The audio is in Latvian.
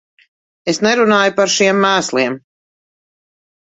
Es nerunāju par šiem mēsliem.